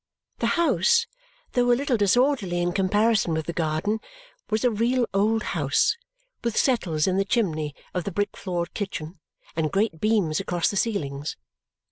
The house, though a little disorderly in comparison with the garden, was a real old house with settles in the chimney of the brick floored kitchen and great beams across the ceilings.